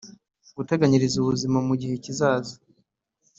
guteganyiriza ubuzima mugihe kizaza